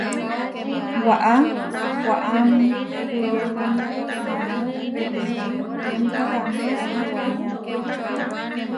Waʼá waʼám puyemánia amó peteči Núnka Hamás tewaniápu.